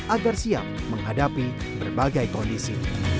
agar siap menghadapi berbagai kondisi